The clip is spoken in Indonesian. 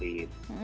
jadi saran kami